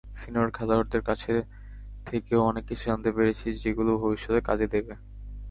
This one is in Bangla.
সিনিয়র খেলোয়াড়দের কাছে থেকেও অনেক কিছু জানতে পেরেছি, যেগুলো ভবিষ্যতে কাজে দেবে।